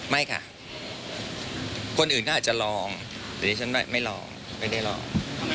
ไม่ค่ะคนอื่นก็อาจจะลองแต่ดิฉันไม่ลองไม่ได้ลอง